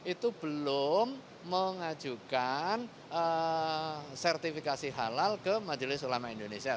itu belum mengajukan sertifikasi halal ke majelis ulama indonesia